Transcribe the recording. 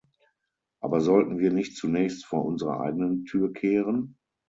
Aber sollten wir nicht zunächst vor unserer eigenen Tür kehren?